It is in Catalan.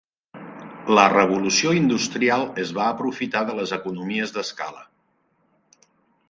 La revolució industrial es va aprofitar de les economies d'escala.